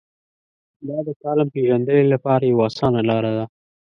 دا د کالم پېژندنې لپاره یوه اسانه لار ده.